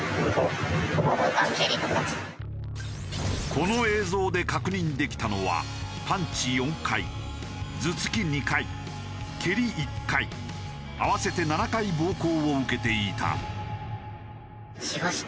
この映像で確認できたのはパンチ４回頭突き２回蹴り１回合わせて７回暴行を受けていた。